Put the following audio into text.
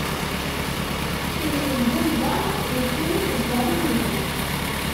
Kemm d lbumba, nekkini d zzalimiḍ.